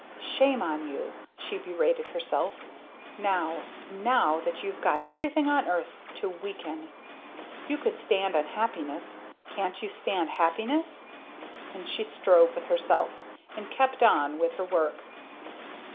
"Shame on you!" she berated herself. "Now now that you've got everything on earth to weaken! You could stand unhappiness; can't you stand happiness?" And she strove with herself; and kept on with her work.